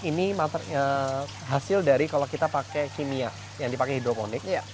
ini hasil dari kalau kita pakai kimia yang dipakai hidroponik